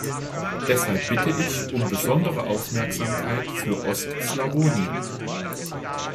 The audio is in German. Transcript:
Deshalb bitte ich um besondere Aufmerksamkeit für Ost-Slawonien.